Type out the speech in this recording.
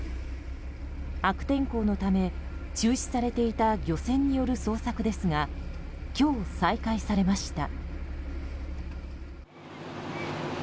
悪天候のため中止されていた漁船による捜索ですが今日、再開されました。